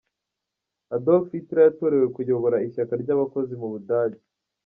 Adolf Hitler yatorewe kuyobora ishyaka ry’abakozi mu Budage.